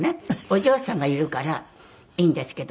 お嬢さんがいるからいいんですけど。